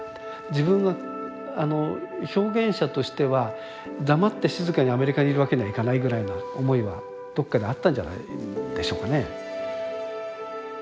自分が表現者としては黙って静かにアメリカにいるわけにはいかないぐらいな思いはどっかにあったんじゃないでしょうかね。